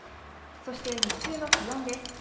そして日中の気温です。